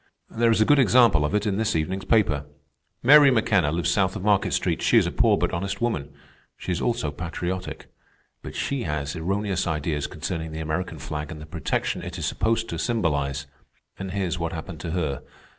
"There is a good example of it in this evening's paper. Mary McKenna lives south of Market Street. She is a poor but honest woman. She is also patriotic. But she has erroneous ideas concerning the American flag and the protection it is supposed to symbolize. And here's what happened to her.